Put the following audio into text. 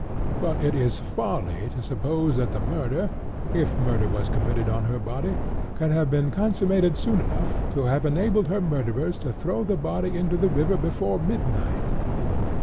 But it is folly to suppose that the murder, if murder was committed on her body, could have been consummated soon enough to have enabled her murderers to throw the body into the river before midnight.